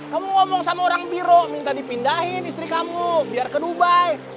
kamu ngomong sama orang biro minta dipindahin istri kamu biar ke dubai